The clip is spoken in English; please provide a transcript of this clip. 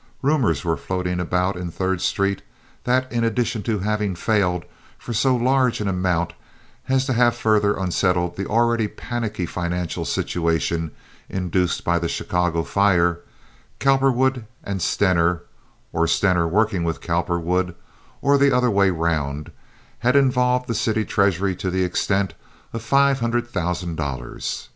Rumors were floating about in Third Street that in addition to having failed for so large an amount as to have further unsettled the already panicky financial situation induced by the Chicago fire, Cowperwood and Stener, or Stener working with Cowperwood, or the other way round, had involved the city treasury to the extent of five hundred thousand dollars.